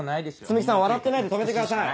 摘木さん笑ってないで止めてください。